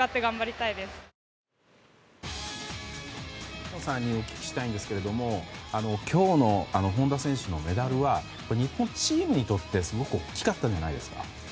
萩野さんにお聞きしたいんですけど今日の本多選手のメダルは日本チームにとってすごく大きかったんじゃないですか？